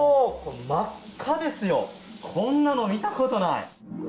真っ赤ですよ、こんなの見たことない！